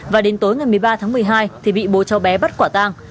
và đến tối ngày một mươi ba tháng một mươi hai thì bị bố cháu bé bắt quả tang